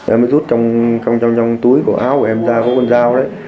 em rút trong túi của áo của em ra có con dao đấy